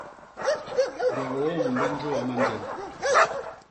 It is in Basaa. Biôôm bi njôa manjel.